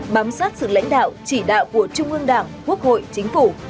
bám sát sự lãnh đạo chỉ đạo của trung ương đảng quốc hội chính phủ